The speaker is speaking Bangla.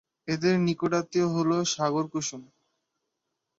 এদের নিকটাত্মীয় হল সাগর কুসুম।